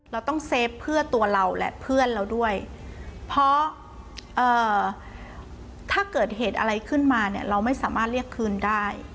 เราต้องเซฟเพื่อตัวเราและเพื่อนเราด้วยเพราะถ้าเกิดเหตุอะไรขึ้นมาเนี่ยเราไม่สามารถเรียกคืนได้